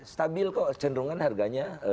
stabil kok cenderungan harganya